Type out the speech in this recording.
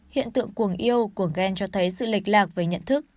hiện tượng cuồng yêu cuồng ghen cho thấy sự lệch lạc về nhận thức